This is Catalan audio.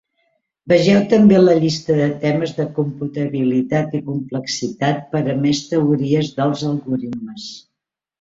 Vegeu també la llista de temes de computabilitat i complexitat per a més teories dels algoritmes.